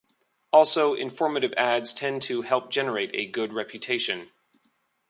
Also, informative ads tend to help generate a good reputation.